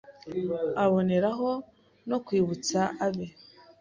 Aboneraho no kwibutsa abe